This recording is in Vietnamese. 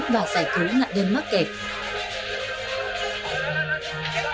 và giải cứu nạn nhân mắc kẹt